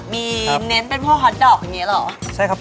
มีช้ากลาง